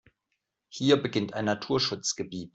Hier beginnt ein Naturschutzgebiet.